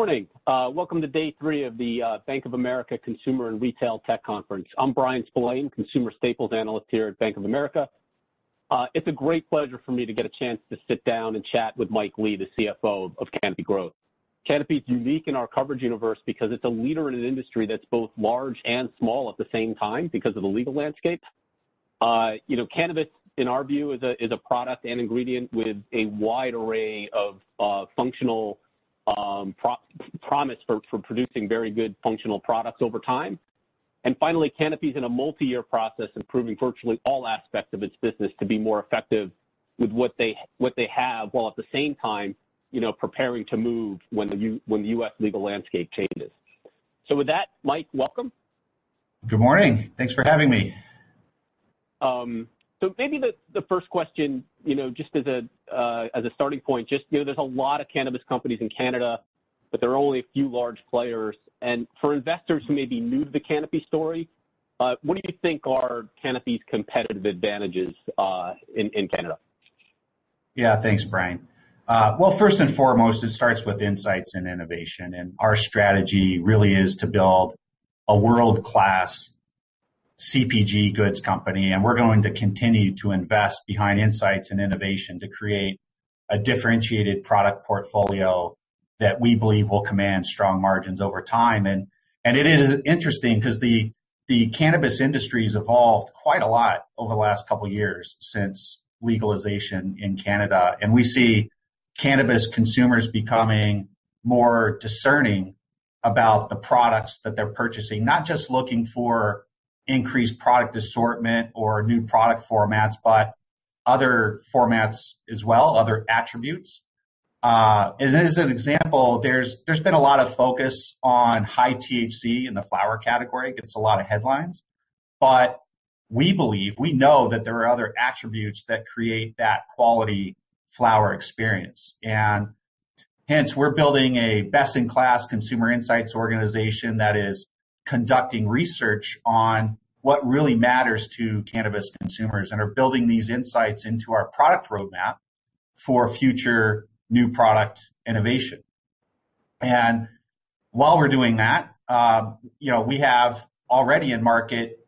Good morning. Welcome to day three of the Bank of America Consumer and Retail Tech Conference. I'm Bryan Spillane, Consumer Staples Analyst here at Bank of America. It's a great pleasure for me to get a chance to sit down and chat with Mike Lee, the CFO of Canopy Growth. Canopy is unique in our coverage universe because it's a leader in an industry that's both large and small at the same time because of the legal landscape. Cannabis, in our view, is a product and ingredient with a wide array of functional promise for producing very good functional products over time. Finally, Canopy is in a multi-year process improving virtually all aspects of its business to be more effective with what they have while at the same time preparing to move when the U.S. legal landscape changes. With that, Mike, welcome. Good morning. Thanks for having me. Maybe the first question, just as a starting point, there's a lot of cannabis companies in Canada, but there are only a few large players. And for investors who may be new to the Canopy story, what do you think are Canopy's competitive advantages in Canada? Yeah, thanks, Bryan. First and foremost, it starts with insights and innovation. Our strategy really is to build a world-class CPG goods company. We're going to continue to invest behind insights and innovation to create a differentiated product portfolio that we believe will command strong margins over time. It is interesting because the cannabis industry has evolved quite a lot over the last couple of years since legalization in Canada. We see cannabis consumers becoming more discerning about the products that they're purchasing, not just looking for increased product assortment or new product formats, but other formats as well, other attributes. As an example, there's been a lot of focus on high THC in the flower category. It gets a lot of headlines. We believe, we know that there are other attributes that create that quality flower experience. We're building a best-in-class consumer insights organization that is conducting research on what really matters to cannabis consumers and are building these insights into our product roadmap for future new product innovation. While we're doing that, we have already in market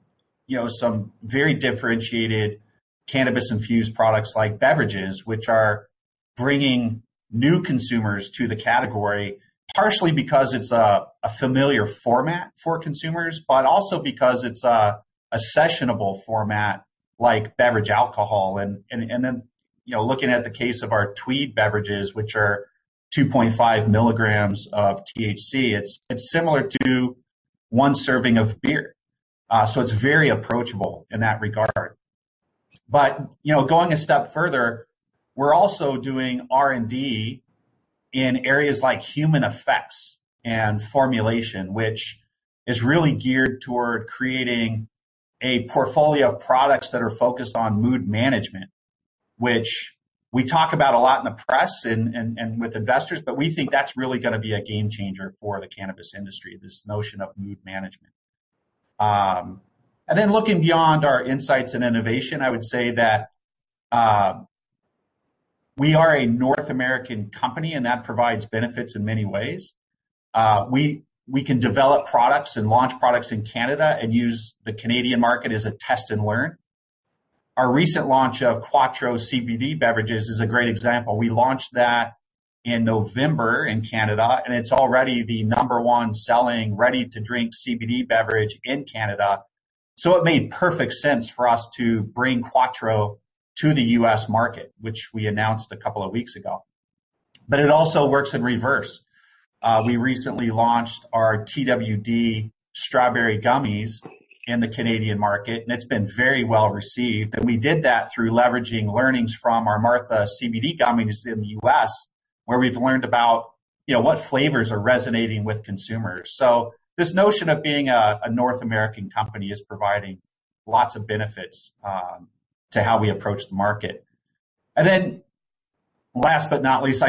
some very differentiated cannabis-infused products like beverages, which are bringing new consumers to the category partially because it's a familiar format for consumers, but also because it's a sessionable format like beverage alcohol. Looking at the case of our Tweed beverages, which are 2.5 mg of THC, it's similar to one serving of beer. It's very approachable in that regard. Going a step further, we're also doing R&D in areas like human effects and formulation, which is really geared toward creating a portfolio of products that are focused on mood management, which we talk about a lot in the press and with investors, but we think that's really going to be a game changer for the cannabis industry, this notion of mood management. Looking beyond our insights and innovation, I would say that we are a North American company, and that provides benefits in many ways. We can develop products and launch products in Canada and use the Canadian market as a test and learn. Our recent launch of Quatreau CBD beverages is a great example. We launched that in November in Canada, and it's already the number one selling ready-to-drink CBD beverage in Canada. It made perfect sense for us to bring Quatreau to the U.S. market, which we announced a couple of weeks ago. It also works in reverse. We recently launched our TWD strawberry gummies in the Canadian market, and it's been very well received. We did that through leveraging learnings from our Martha CBD gummies in the U.S., where we've learned about what flavors are resonating with consumers. This notion of being a North American company is providing lots of benefits to how we approach the market. Last but not least,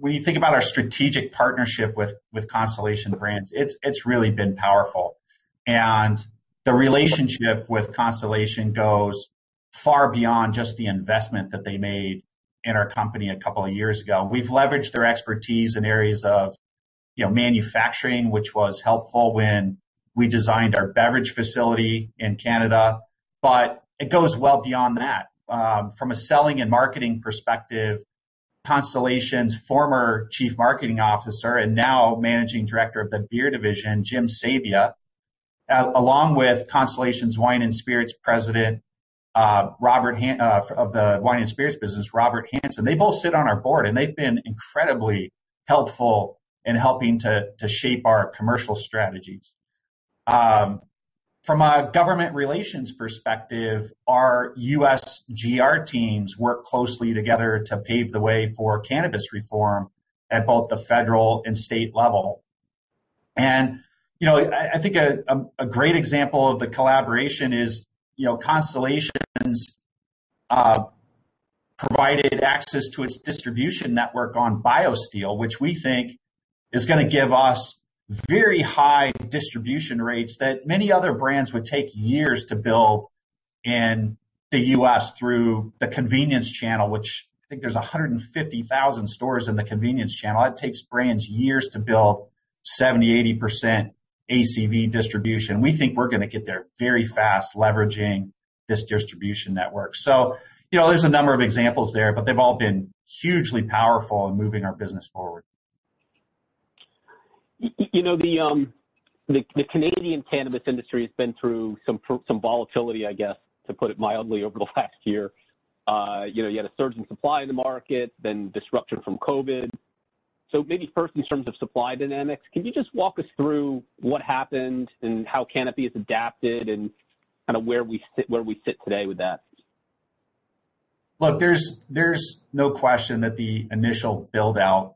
when you think about our strategic partnership with Constellation Brands, it's really been powerful. The relationship with Constellation goes far beyond just the investment that they made in our company a couple of years ago. We've leveraged their expertise in areas of manufacturing, which was helpful when we designed our beverage facility in Canada. It goes well beyond that. From a selling and marketing perspective, Constellation's former Chief Marketing Officer and now Managing Director of the Beer Division, Jim Sabia, along with Constellation's President of the wine and spirits business, Robert Hanson, they both sit on our board, and they've been incredibly helpful in helping to shape our commercial strategies. From a government relations perspective, our U.S. GR teams work closely together to pave the way for cannabis reform at both the federal and state level. I think a great example of the collaboration is Constellation's provided access to its distribution network on BioSteel, which we think is going to give us very high distribution rates that many other brands would take years to build in the U.S. through the convenience channel, which I think there's 150,000 stores in the convenience channel. That takes brands years to build 70%-80% ACV distribution. We think we're going to get there very fast leveraging this distribution network. There are a number of examples there, but they've all been hugely powerful in moving our business forward. The Canadian cannabis industry has been through some volatility, I guess, to put it mildly, over the last year. You had a surge in supply in the market, then disruption from COVID. Maybe first in terms of supply dynamics, can you just walk us through what happened and how Canopy has adapted and kind of where we sit today with that? Look, there's no question that the initial buildout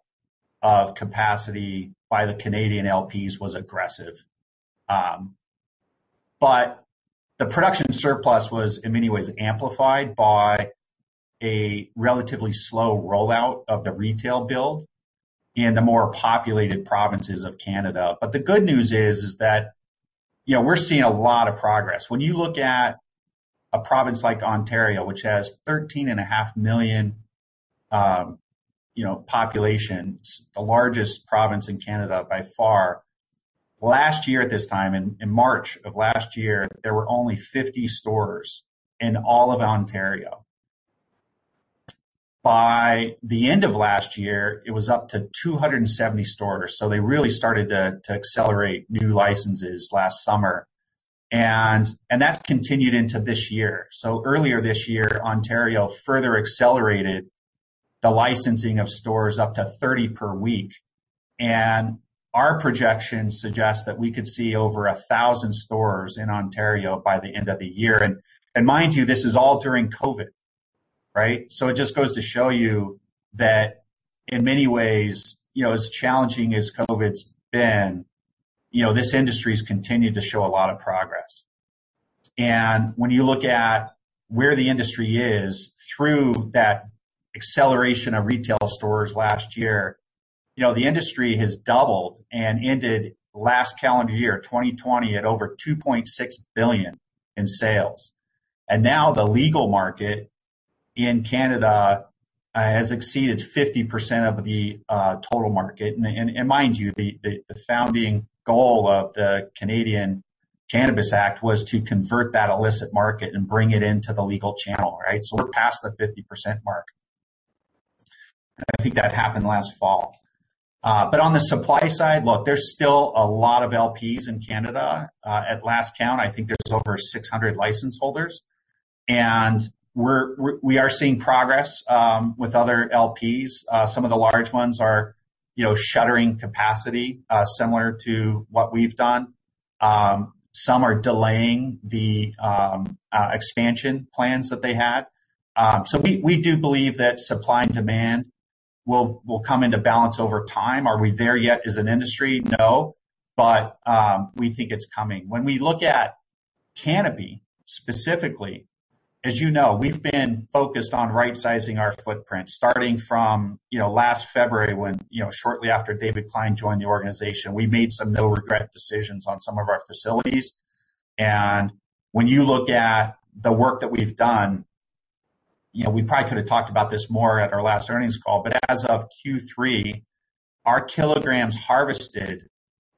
of capacity by the Canadian LPs was aggressive. The production surplus was, in many ways, amplified by a relatively slow rollout of the retail build in the more populated provinces of Canada. The good news is that we're seeing a lot of progress. When you look at a province like Ontario, which has 13.5 million population, the largest province in Canada by far, last year at this time, in March of last year, there were only 50 stores in all of Ontario. By the end of last year, it was up to 270 stores. They really started to accelerate new licenses last summer. That has continued into this year. Earlier this year, Ontario further accelerated the licensing of stores up to 30 per week. Our projections suggest that we could see over 1,000 stores in Ontario by the end of the year. Mind you, this is all during COVID, right? It just goes to show you that in many ways, as challenging as COVID's been, this industry has continued to show a lot of progress. When you look at where the industry is through that acceleration of retail stores last year, the industry has doubled and ended last calendar year, 2020, at over 2.6 billion in sales. Now the legal market in Canada has exceeded 50% of the total market. Mind you, the founding goal of the Canadian Cannabis Act was to convert that illicit market and bring it into the legal channel, right? We are past the 50% mark. I think that happened last fall. On the supply side, look, there's still a lot of LPs in Canada. At last count, I think there's over 600 license holders. We are seeing progress with other LPs. Some of the large ones are shuttering capacity similar to what we've done. Some are delaying the expansion plans that they had. We do believe that supply and demand will come into balance over time. Are we there yet as an industry? No. We think it's coming. When we look at Canopy specifically, as you know, we've been focused on right-sizing our footprint starting from last February when, shortly after David Klein joined the organization, we made some no-regret decisions on some of our facilities. When you look at the work that we've done, we probably could have talked about this more at our last earnings call. As of Q3, our kilograms harvested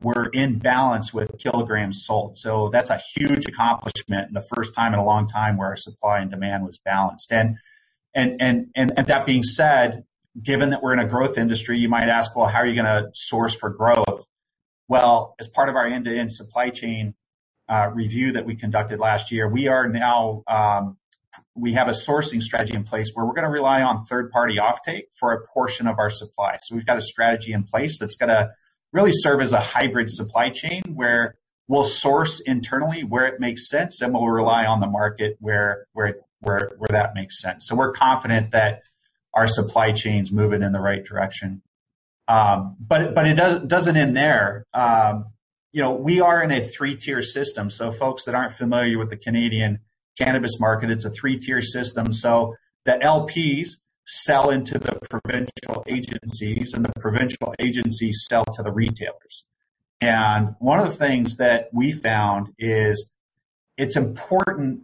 were in balance with kilograms sold. That is a huge accomplishment and the first time in a long time where our supply and demand was balanced. That being said, given that we are in a growth industry, you might ask, you know, how are you going to source for growth? As part of our end-to-end supply chain review that we conducted last year, we have a sourcing strategy in place where we are going to rely on third-party offtake for a portion of our supply. We have a strategy in place that is going to really serve as a hybrid supply chain where we will source internally where it makes sense and we will rely on the market where that makes sense. We are confident that our supply chain is moving in the right direction. It does not end there. We are in a three-tier system. Folks that aren't familiar with the Canadian cannabis market, it's a three-tier system. The LPs sell into the provincial agencies, and the provincial agencies sell to the retailers. One of the things that we found is it's important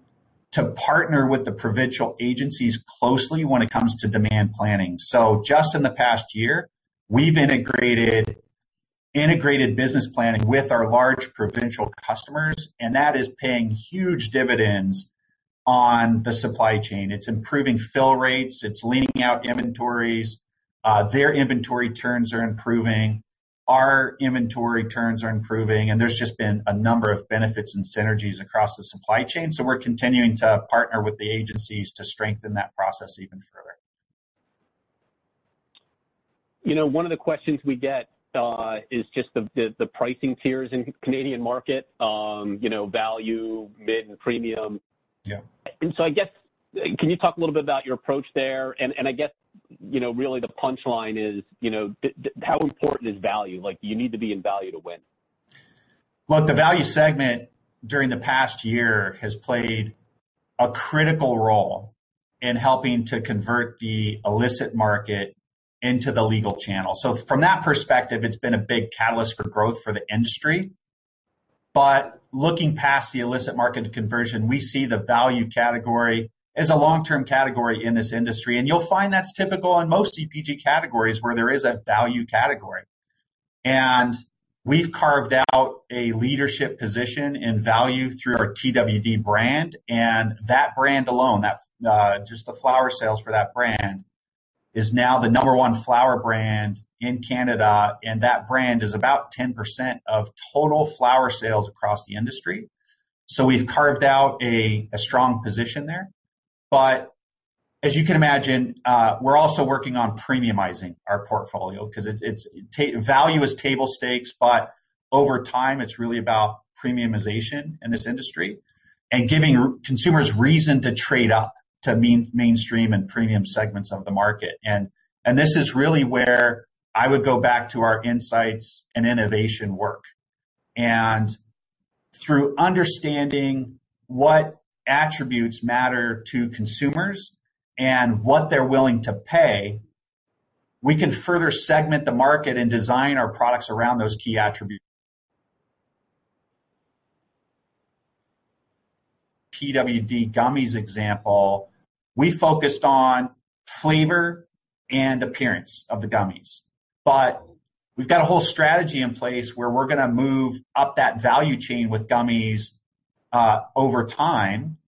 to partner with the provincial agencies closely when it comes to demand planning. Just in the past year, we've integrated integrated business planning with our large provincial customers, and that is paying huge dividends on the supply chain. It's improving fill rates. It's leaning out inventories. Their inventory turns are improving. Our inventory turns are improving. There's just been a number of benefits and synergies across the supply chain. We're continuing to partner with the agencies to strengthen that process even further. One of the questions we get is just the pricing tiers in Canadian market, value, mid, and premium. I guess, can you talk a little bit about your approach there? I guess really the punchline is how important is value? You need to be in value to win. Look, the value segment during the past year has played a critical role in helping to convert the illicit market into the legal channel. From that perspective, it's been a big catalyst for growth for the industry. Looking past the illicit market conversion, we see the value category as a long-term category in this industry. You'll find that's typical in most CPG categories where there is a value category. We've carved out a leadership position in value through our TWD brand. That brand alone, just the flower sales for that brand, is now the number one flower brand in Canada. That brand is about 10% of total flower sales across the industry. We've carved out a strong position there. As you can imagine, we're also working on premiumizing our portfolio because value is table stakes, but over time, it's really about premiumization in this industry and giving consumers reason to trade up to mainstream and premium segments of the market. This is really where I would go back to our insights and innovation work. Through understanding what attributes matter to consumers and what they're willing to pay, we can further segment the market and design our products around those key attributes. TWD strawberry gummies example, we focused on flavor and appearance of the gummies. We've got a whole strategy in place where we're going to move up that value chain with gummies over time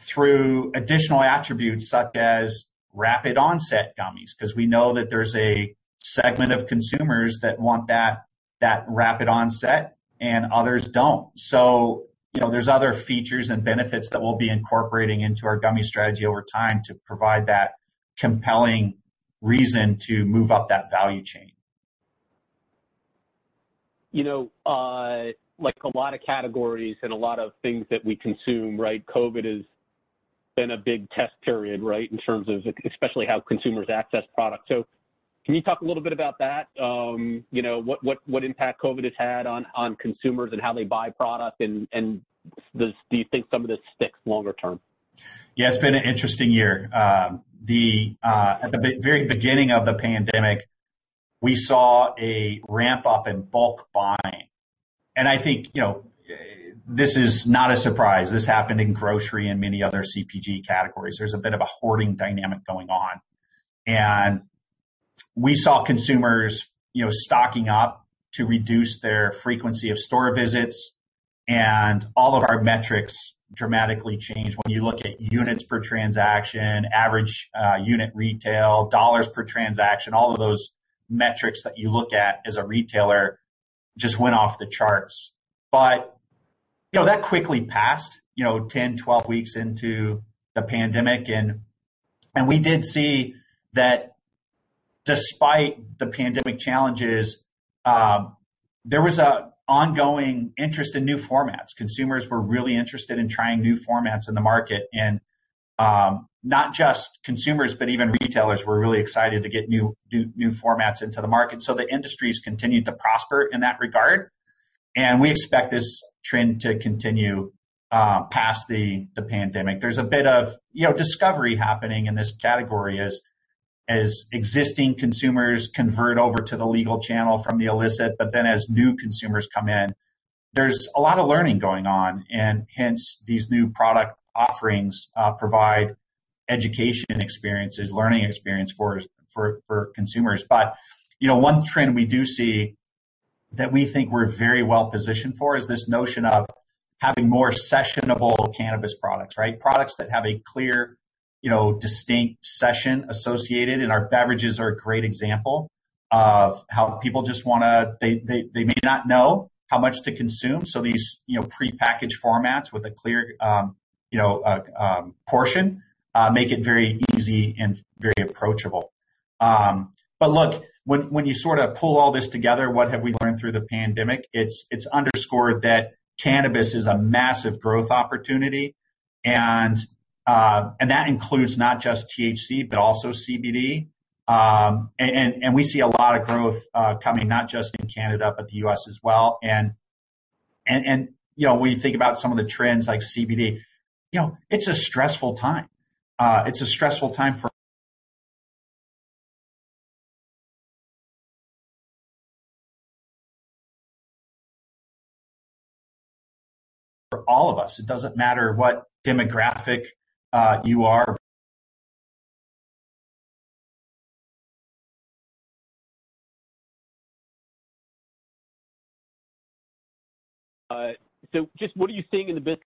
through additional attributes such as rapid onset gummies because we know that there's a segment of consumers that want that rapid onset and others don't. There are other features and benefits that we'll be incorporating into our gummy strategy over time to provide that compelling reason to move up that value chain. Like a lot of categories and a lot of things that we consume, right, COVID has been a big test period, right, in terms of especially how consumers access product. Can you talk a little bit about that? What impact COVID has had on consumers and how they buy product? Do you think some of this sticks longer term? Yeah, it's been an interesting year. At the very beginning of the pandemic, we saw a ramp-up in bulk buying. I think this is not a surprise. This happened in grocery and many other CPG categories. There's a bit of a hoarding dynamic going on. We saw consumers stocking up to reduce their frequency of store visits. All of our metrics dramatically changed when you look at units per transaction, average unit retail, dollars per transaction, all of those metrics that you look at as a retailer just went off the charts. That quickly passed 10 weeks-12 weeks into the pandemic. We did see that despite the pandemic challenges, there was an ongoing interest in new formats. Consumers were really interested in trying new formats in the market. Not just consumers, but even retailers were really excited to get new formats into the market. The industry has continued to prosper in that regard. We expect this trend to continue past the pandemic. There is a bit of discovery happening in this category as existing consumers convert over to the legal channel from the illicit, but then as new consumers come in, there is a lot of learning going on. Hence, these new product offerings provide education experiences, learning experience for consumers. One trend we do see that we think we are very well positioned for is this notion of having more sessionable cannabis products, right? Products that have a clear, distinct session associated. Our beverages are a great example of how people just want to—they may not know how much to consume. These pre-packaged formats with a clear portion make it very easy and very approachable. Look, when you sort of pull all this together, what have we learned through the pandemic? It's underscored that cannabis is a massive growth opportunity. That includes not just THC, but also CBD. We see a lot of growth coming not just in Canada, but the U.S. as well. When you think about some of the trends like CBD, it's a stressful time. It's a stressful time for all of us. It doesn't matter what demographic you are. Just what are you seeing in the business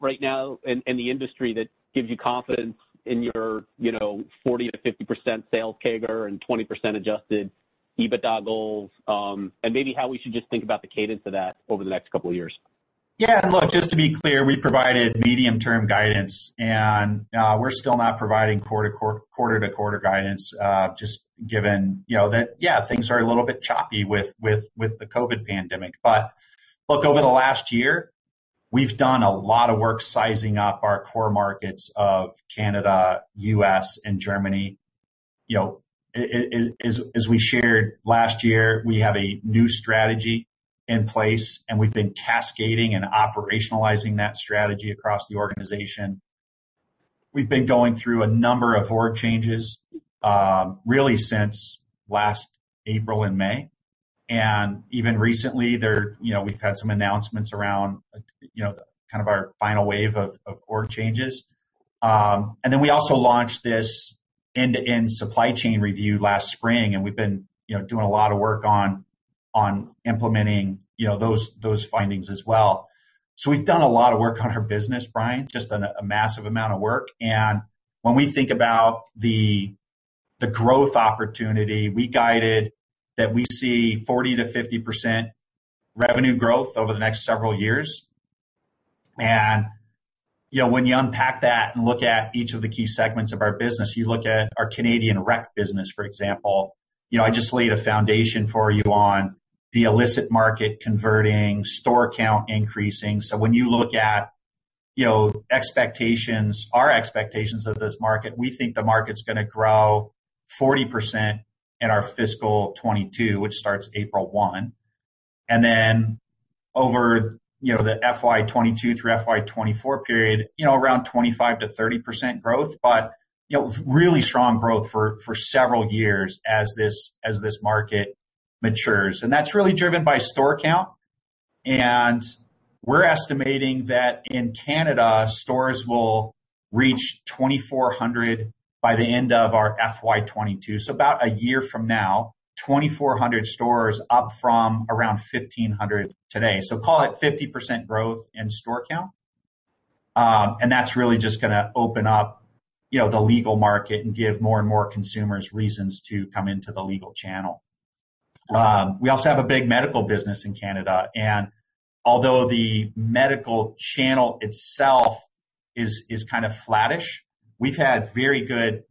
right now in the industry that gives you confidence in your 40%-50% sales CAGR and 20% adjusted EBITDA goals? Maybe how we should just think about the cadence of that over the next couple of years. Yeah. Look, just to be clear, we provided medium-term guidance. We're still not providing quarter-to-quarter guidance just given that, yeah, things are a little bit choppy with the COVID pandemic. Look, over the last year, we've done a lot of work sizing up our core markets of Canada, U.S., and Germany. As we shared last year, we have a new strategy in place, and we've been cascading and operationalizing that strategy across the organization. We've been going through a number of board changes really since last April and May. Even recently, we've had some announcements around kind of our final wave of board changes. We also launched this end-to-end supply chain review last spring. We've been doing a lot of work on implementing those findings as well. We have done a lot of work on our business, Bryan, just a massive amount of work. When we think about the growth opportunity, we guided that we see 40%-50% revenue growth over the next several years. When you unpack that and look at each of the key segments of our business, you look at our Canadian rec business, for example, I just laid a foundation for you on the illicit market converting, store count increasing. When you look at expectations, our expectations of this market, we think the market is going to grow 40% in our fiscal 2022, which starts April 1. Over the fiscal 2022 through fiscal 2024 period, around 25%-30% growth, but really strong growth for several years as this market matures. That is really driven by store count. We are estimating that in Canada, stores will reach 2,400 by the end of our fiscal year 2022. About a year from now, 2,400 stores, up from around 1,500 today. Call it 50% growth in store count. That is really just going to open up the legal market and give more and more consumers reasons to come into the legal channel. We also have a big medical business in Canada. Although the medical channel itself is kind of flattish, we have had very good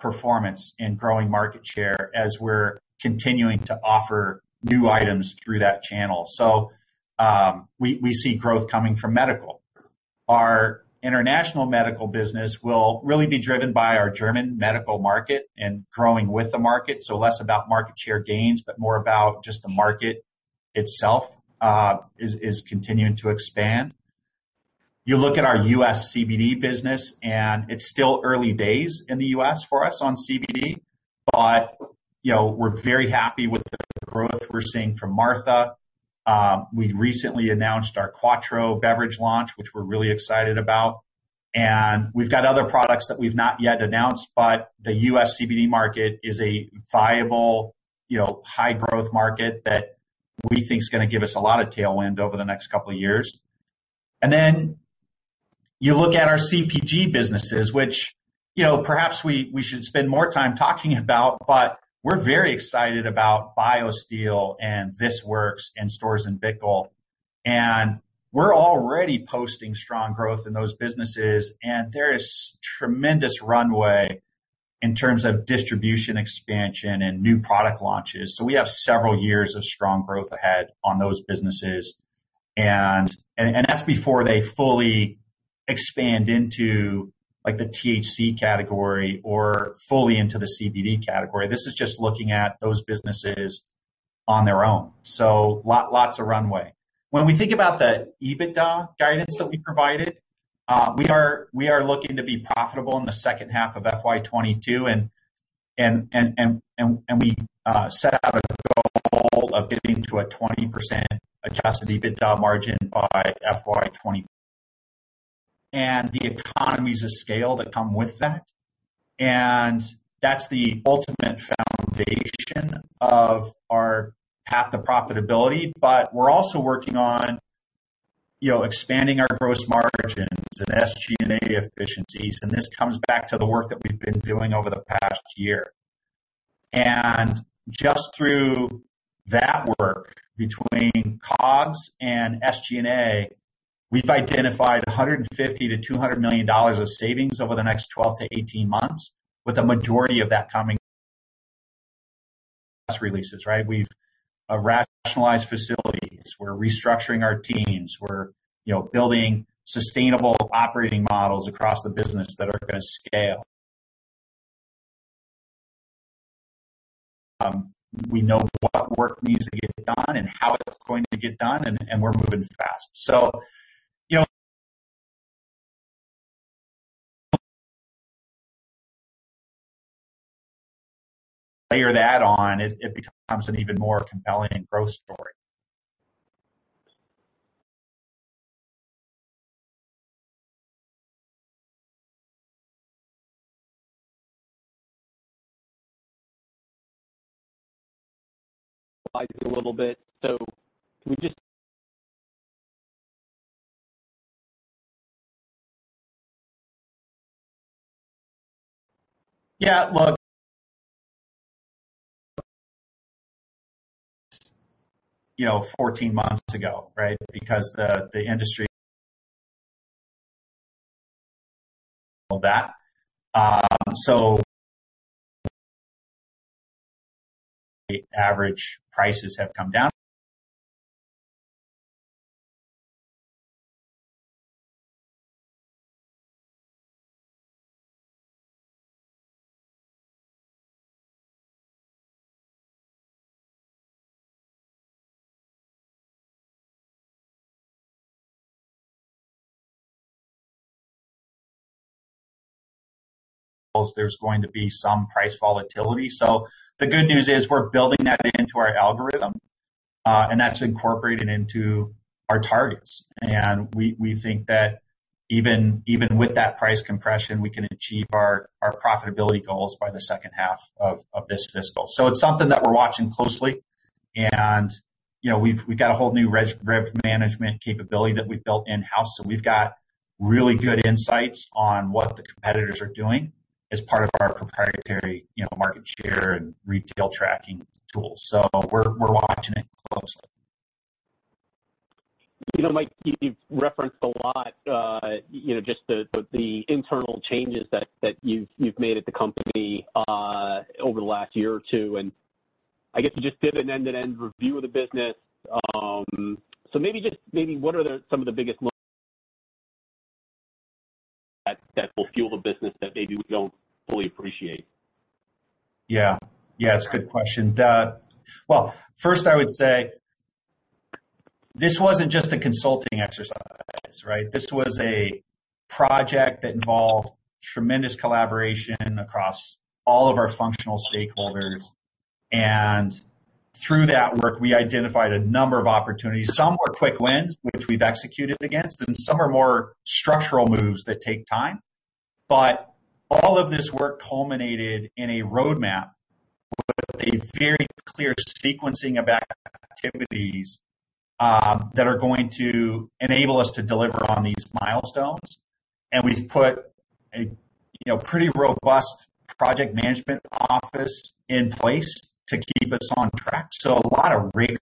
performance in growing market share as we are continuing to offer new items through that channel. We see growth coming from medical. Our international medical business will really be driven by our German medical market and growing with the market. Less about market share gains, but more about just the market itself is continuing to expand. You look at our U.S. CBD business, and it's still early days in the U.S. for us on CBD. We are very happy with the growth we are seeing from Martha. We recently announced our Quatreau beverage launch, which we are really excited about. We have other products that we have not yet announced, but the U.S. CBD market is a viable, high-growth market that we think is going to give us a lot of tailwind over the next couple of years. You look at our CPG businesses, which perhaps we should spend more time talking about, but we are very excited about BioSteel and This Works and STORZ & BICKEL. We are already posting strong growth in those businesses. There is tremendous runway in terms of distribution expansion and new product launches. We have several years of strong growth ahead on those businesses. That is before they fully expand into the THC category or fully into the CBD category. This is just looking at those businesses on their own. Lots of runway. When we think about the EBITDA guidance that we provided, we are looking to be profitable in the second half of FY 2022. We set out a goal of getting to a 20% adjusted EBITDA margin by FY 2024. The economies of scale that come with that are the ultimate foundation of our path to profitability. We are also working on expanding our gross margins and SG&A efficiencies. This comes back to the work that we have been doing over the past year. Just through that work between COGS and SG&A, we have identified $150 million-$200 million of savings over the next 12months-18 months, with a majority of that coming from releases, right? have rationalized facilities. We are restructuring our teams. We are building sustainable operating models across the business that are going to scale. We know what work needs to get done and how it is going to get done. We are moving fast. Layer that on, it becomes an even more compelling growth story. Slide you a little bit. Can we just. Yeah. Look. Fourteen months ago, right, because the industry of that. Average prices have come down. There is going to be some price volatility. The good news is we are building that into our algorithm. That is incorporated into our targets. We think that even with that price compression, we can achieve our profitability goals by the second half of this fiscal. It is something that we are watching closely. We have got a whole new rev management capability that we have built in-house. We have got really good insights on what the competitors are doing as part of our proprietary market share and retail tracking tools. We are watching it closely. You know, Mike, you've referenced a lot just the internal changes that you've made at the company over the last year or two. I guess you just did an end-to-end review of the business. Maybe just maybe what are some of the biggest looks that will fuel the business that maybe we don't fully appreciate? Yeah. Yeah, it's a good question. First, I would say this wasn't just a consulting exercise, right? This was a project that involved tremendous collaboration across all of our functional stakeholders. Through that work, we identified a number of opportunities. Some were quick wins, which we've executed against, and some are more structural moves that take time. All of this work culminated in a roadmap with a very clear sequencing of activities that are going to enable us to deliver on these milestones. We've put a pretty robust project management office in place to keep us on track. A lot of rigor.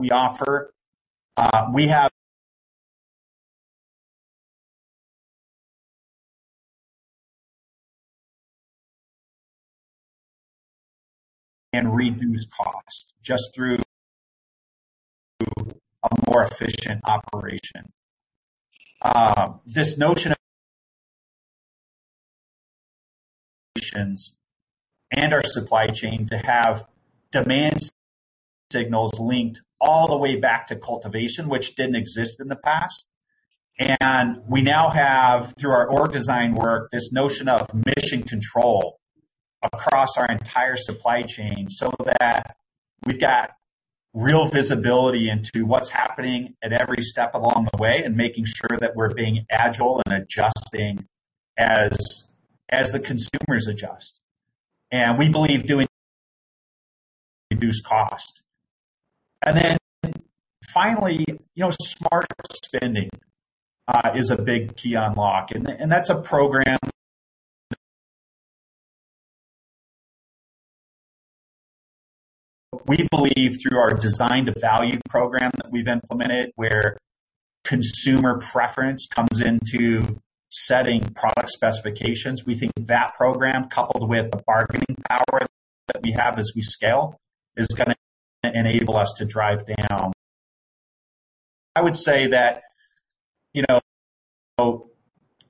We offer. We have. And reduce costs just through a more efficient operation. This notion of our supply chain to have demand signals linked all the way back to cultivation, which didn't exist in the past. We now have, through our org design work, this notion of mission control across our entire supply chain so that we've got real visibility into what's happening at every step along the way and making sure that we're being agile and adjusting as the consumers adjust. We believe doing reduce cost. Finally, smart spending is a big key unlock. That's a program. We believe through our design-to-value program that we've implemented, where consumer preference comes into setting product specifications, we think that program, coupled with the bargaining power that we have as we scale, is going to enable us to drive down. I would say that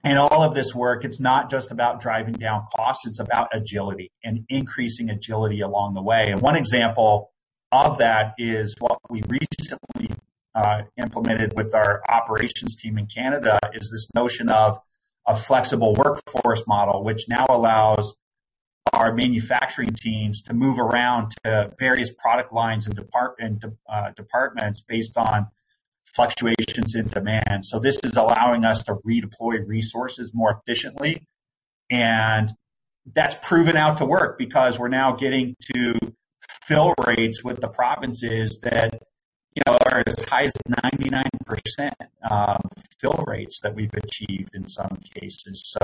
in all of this work, it's not just about driving down costs. It's about agility and increasing agility along the way. One example of that is what we recently implemented with our operations team in Canada is this notion of a flexible workforce model, which now allows our manufacturing teams to move around to various product lines and departments based on fluctuations in demand. This is allowing us to redeploy resources more efficiently. That has proven out to work because we are now getting to fill rates with the provinces that are as high as 99% fill rates that we have achieved in some cases.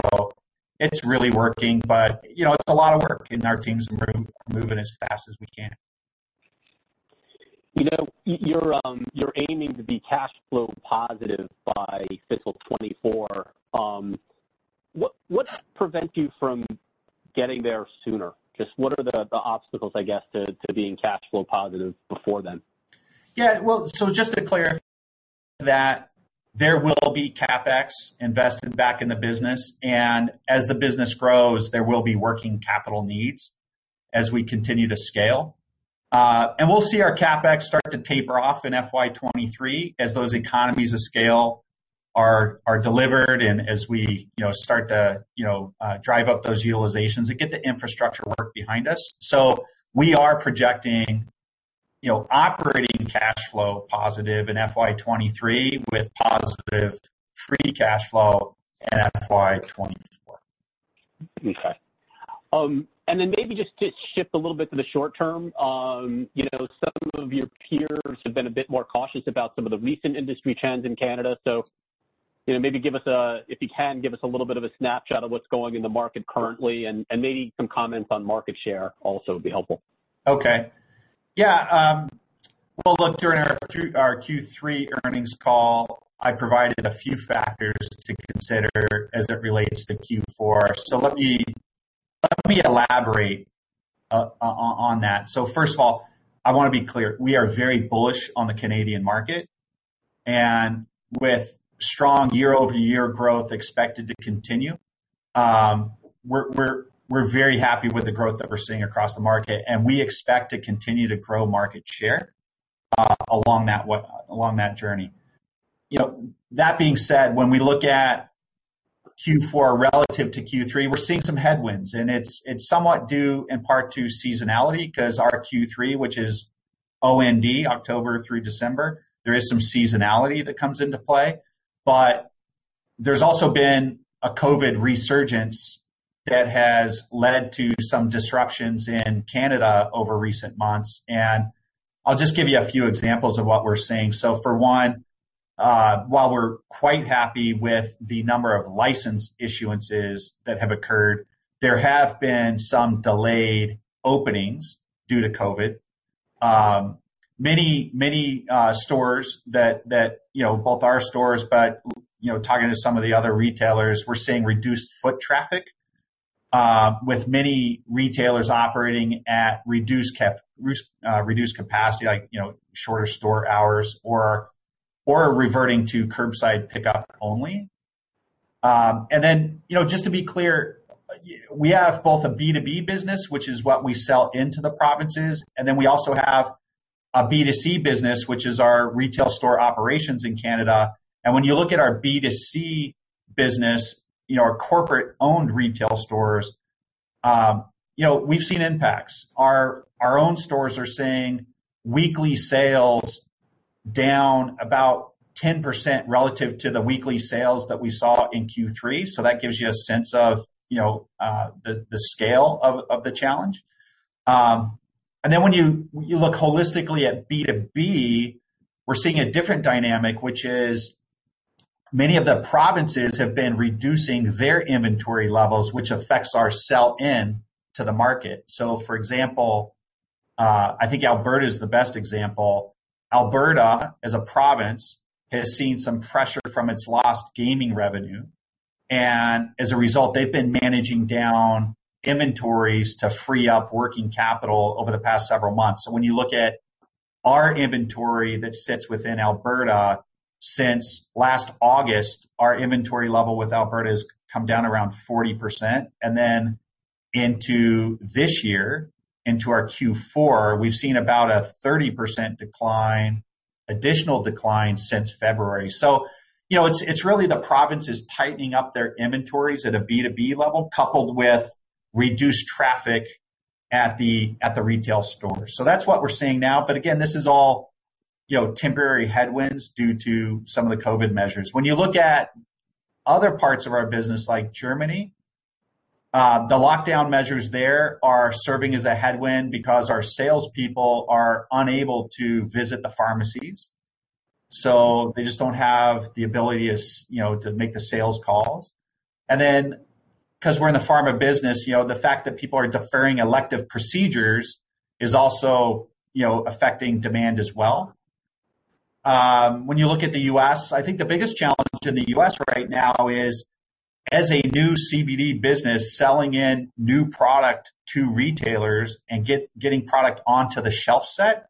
It is really working, but it is a lot of work, and our teams are moving as fast as we can. You're aiming to be cash flow positive by fiscal 2024. What prevents you from getting there sooner? Just what are the obstacles, I guess, to being cash flow positive before then? Yeah. Just to clarify that there will be CapEx invested back in the business. As the business grows, there will be working capital needs as we continue to scale. We will see our CapEx start to taper off in fiscal year 2023 as those economies of scale are delivered and as we start to drive up those utilizations and get the infrastructure work behind us. We are projecting operating cash flow positive in fiscal year 2023 with positive free cash flow in fiscal year 2024. Okay. Maybe just to shift a little bit to the short term, some of your peers have been a bit more cautious about some of the recent industry trends in Canada. Maybe give us a, if you can, give us a little bit of a snapshot of what's going in the market currently, and maybe some comments on market share also would be helpful. Okay. Yeah. During our Q3 earnings call, I provided a few factors to consider as it relates to Q4. Let me elaborate on that. First of all, I want to be clear. We are very bullish on the Canadian market. With strong year-over-year growth expected to continue, we're very happy with the growth that we're seeing across the market. We expect to continue to grow market share along that journey. That being said, when we look at Q4 relative to Q3, we're seeing some headwinds. It's somewhat due in part to seasonality because our Q3, which is OND, October through December, there is some seasonality that comes into play. There's also been a COVID resurgence that has led to some disruptions in Canada over recent months. I'll just give you a few examples of what we're seeing. For one, while we're quite happy with the number of license issuances that have occurred, there have been some delayed openings due to COVID. Many stores, both our stores and, talking to some of the other retailers, we're seeing reduced foot traffic with many retailers operating at reduced capacity, like shorter store hours or reverting to curbside pickup only. Just to be clear, we have both a B2B business, which is what we sell into the provinces, and then we also have a B2C business, which is our retail store operations in Canada. When you look at our B2C business, our corporate-owned retail stores, we've seen impacts. Our own stores are seeing weekly sales down about 10% relative to the weekly sales that we saw in Q3. That gives you a sense of the scale of the challenge. When you look holistically at B2B, we're seeing a different dynamic, which is many of the provinces have been reducing their inventory levels, which affects our sell-in to the market. For example, I think Alberta is the best example. Alberta, as a province, has seen some pressure from its lost gaming revenue. As a result, they've been managing down inventories to free up working capital over the past several months. When you look at our inventory that sits within Alberta since last August, our inventory level with Alberta has come down around 40%. Into this year, into our Q4, we've seen about a 30% additional decline since February. It is really the provinces tightening up their inventories at a B2B level coupled with reduced traffic at the retail stores. That is what we're seeing now. Again, this is all temporary headwinds due to some of the COVID measures. When you look at other parts of our business, like Germany, the lockdown measures there are serving as a headwind because our salespeople are unable to visit the pharmacies. They just do not have the ability to make the sales calls. Then, because we are in the pharma business, the fact that people are deferring elective procedures is also affecting demand as well. When you look at the U.S., I think the biggest challenge in the U.S. right now is, as a new CBD business selling in new product to retailers and getting product onto the shelf set,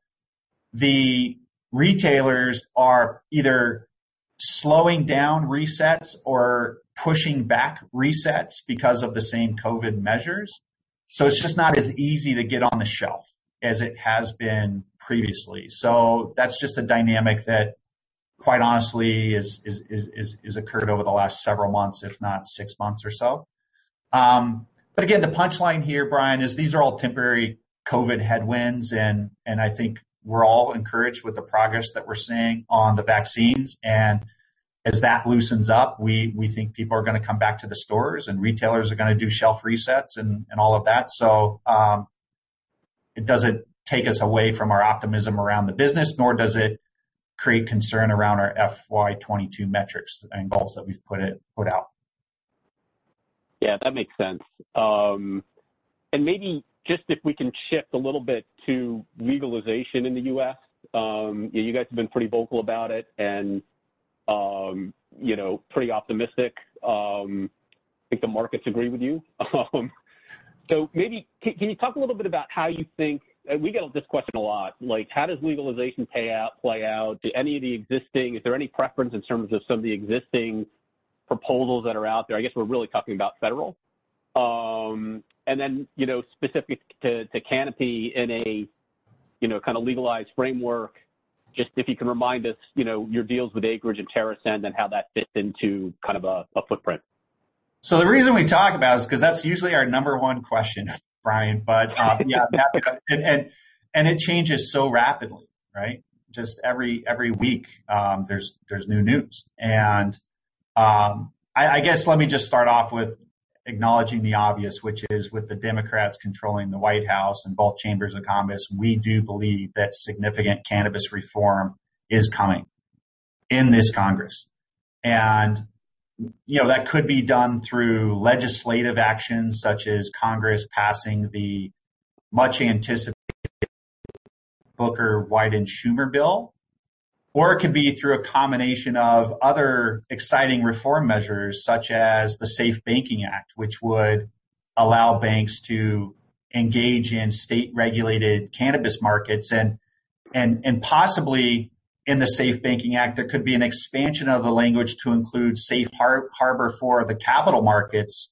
the retailers are either slowing down resets or pushing back resets because of the same COVID measures. It is just not as easy to get on the shelf as it has been previously. That is just a dynamic that, quite honestly, has occurred over the last several months, if not six months or so. Again, the punchline here, Bryan, is these are all temporary COVID headwinds. I think we are all encouraged with the progress that we are seeing on the vaccines. As that loosens up, we think people are going to come back to the stores, and retailers are going to do shelf resets and all of that. It does not take us away from our optimism around the business, nor does it create concern around our FY2022 metrics and goals that we have put out. Yeah, that makes sense. Maybe just if we can shift a little bit to legalization in the U.S., you guys have been pretty vocal about it and pretty optimistic. I think the markets agree with you. Maybe can you talk a little bit about how you think we get this question a lot. How does legalization play out? Do any of the existing, is there any preference in terms of some of the existing proposals that are out there? I guess we're really talking about federal. Then specific to Canopy in a kind of legalized framework, just if you can remind us your deals with Acreage and TerrAscend and how that fits into kind of a footprint. The reason we talk about it is because that's usually our number one question, Bryan. Yeah, and it changes so rapidly, right? Just every week, there's new news. I guess let me just start off with acknowledging the obvious, which is with the Democrats controlling the White House and both chambers of Congress, we do believe that significant cannabis reform is coming in this Congress. That could be done through legislative actions such as Congress passing the much-anticipated Booker, White, and Schumer bill, or it could be through a combination of other exciting reform measures such as the Safe Banking Act, which would allow banks to engage in state-regulated cannabis markets. Possibly in the Safe Banking Act, there could be an expansion of the language to include Safe Harbor for the capital markets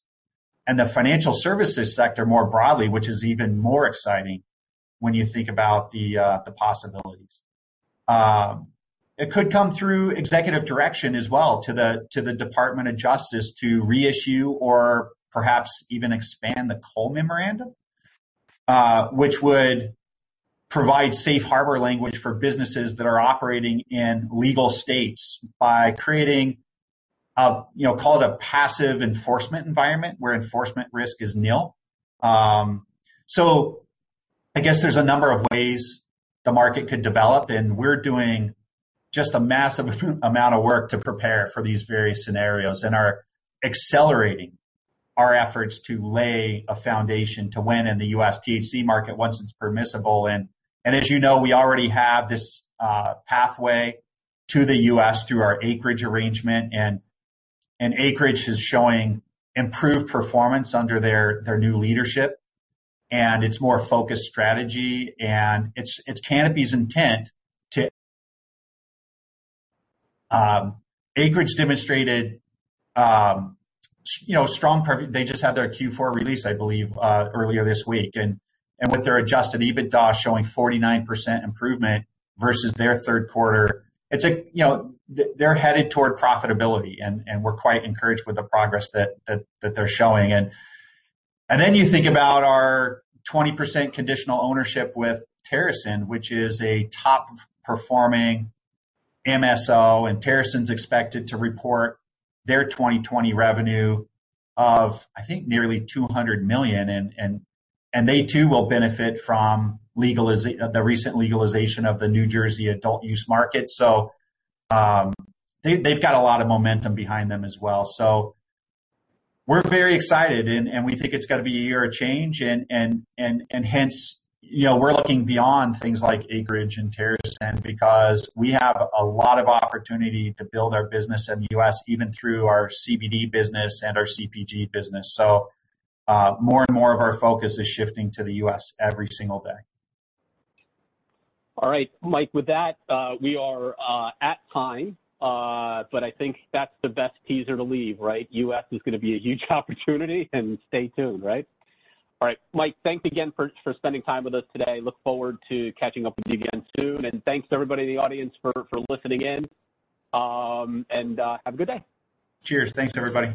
and the financial services sector more broadly, which is even more exciting when you think about the possibilities. It could come through executive direction as well to the Department of Justice to reissue or perhaps even expand the Cole Memorandum, which would provide safe harbor language for businesses that are operating in legal states by creating a, call it a passive enforcement environment where enforcement risk is nil. I guess there are a number of ways the market could develop. We are doing just a massive amount of work to prepare for these various scenarios and are accelerating our efforts to lay a foundation to win in the U.S. THC market once it is permissible. As you know, we already have this pathway to the U.S. through our Acreage arrangement. Acreage is showing improved performance under their new leadership and its more focused strategy. It is Canopy's intent to have Acreage demonstrate strong performance. They just had their Q4 release, I believe, earlier this week, and with their adjusted EBITDA showing 49% improvement versus their third quarter, they are headed toward profitability. We are quite encouraged with the progress that they are showing. You think about our 20% conditional ownership with TerrAscend, which is a top-performing MSO. TerrAscend is expected to report their 2020 revenue of, I think, nearly $200 million, and they too will benefit from the recent legalization of the New Jersey adult use market. They have a lot of momentum behind them as well. We are very excited, and we think it is going to be a year of change. Hence, we're looking beyond things like Acreage and TerrAscend because we have a lot of opportunity to build our business in the U.S., even through our CBD business and our CPG business. More and more of our focus is shifting to the U.S. every single day. All right. Mike, with that, we are at time. I think that's the best teaser to leave, right? U.S. is going to be a huge opportunity. Stay tuned, right? All right. Mike, thanks again for spending time with us today. Look forward to catching up with you again soon. Thanks to everybody in the audience for listening in. Have a good day. Cheers. Thanks, everybody.